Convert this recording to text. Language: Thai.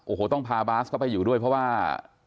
โอ้โหต้องพาบาสเข้าไปอยู่ด้วยเพราะว่า